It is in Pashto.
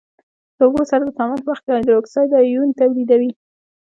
له اوبو سره د تعامل په وخت کې هایدروکساید آیون تولیدوي.